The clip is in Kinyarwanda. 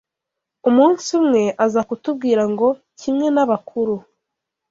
Umunsi umwe, aza kutubwira ngo kimwe na bakuru